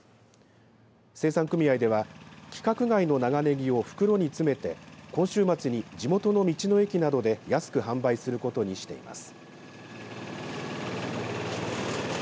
生産組合では規格外の長ねぎを袋に詰めて今週末に地元の道の駅などで安く販売することにしています。